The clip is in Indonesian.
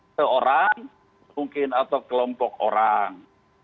seorang mungkin atau kelompok orang